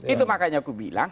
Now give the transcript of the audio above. itu makanya aku bilang